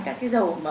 các dầu mỡ